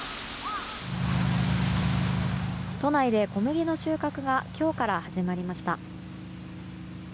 都内で小麦の収穫が今日から始まりました。